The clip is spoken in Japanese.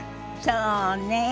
そうね。